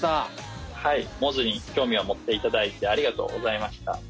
はいモズにきょうみをもっていただいてありがとうございました。